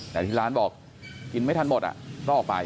แต่ที่ร้านบอกกินไม่ทันหมดต้องออกไป